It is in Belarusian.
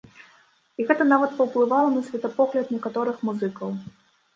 І гэта нават паўплывала на светапогляд некаторых музыкаў.